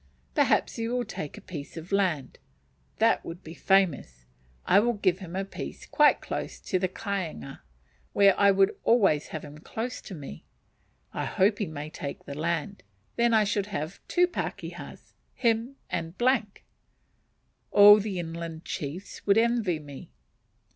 Perhaps he would take a piece of land! that would be famous. I would give him a piece quite close to the kainga, where I would always have him close to me. I hope he may take the land; then I should have two pakehas, him and . All the inland chiefs would envy me.